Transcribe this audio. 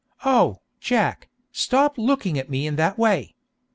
Oh, Jack, stop looking at me in that way!